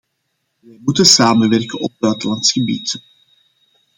Wij moeten samenwerken op buitenlands gebied.